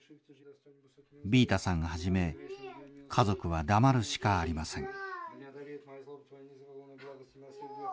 ビータさんはじめ家族は黙るしかありません。